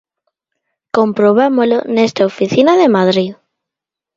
Comprobámolo nesta oficina de Madrid.